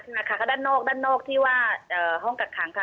ใช่ค่ะค่ะด้านนอกที่ว่าห้องกัดขังค่ะ